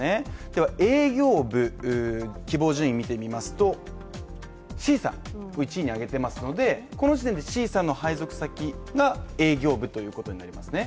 では営業部の希望順位見てみますとＣさんを１位にあげていますのでこの時点でＣさんの配属先が営業部ということになりますね。